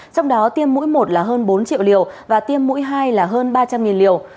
trong đó tiêm mũi một là hơn bốn triệu liều và tiêm mũi hai là hơn ba trăm linh liều